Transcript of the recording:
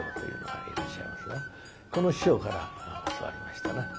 この師匠から教わりましたな。